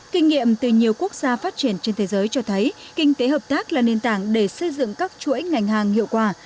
kinh nghiệm từ nhiều quốc gia phát triển trên thế giới cho thấy kinh tế hợp tác là nền tảng để xây dựng các chuỗi ngành hàng hiệu quả